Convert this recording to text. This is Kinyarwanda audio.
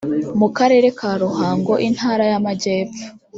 mu karere ka ruhango intara ya amajyepfo